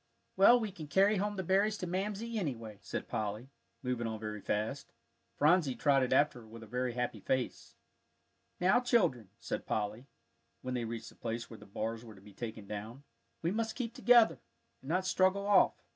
"Well, we can carry home the berries to Mamsie, anyway," said Polly, moving on very fast. Phronsie trotted after her with a very happy face. "Now, children," said Polly, when they reached the place where the bars were to be taken down, "we must keep together, and not straggle off.